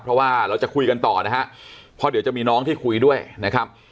เพราะว่าเราจะคุยกันต่อนะฮะเพราะเดี๋ยวจะมีน้องที่คุยด้วยนะครับ